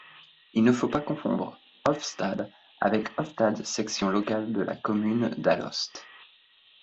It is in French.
Il ne faut pas confondre Hofstade avec Hofstade section locale de la commune d'Alost.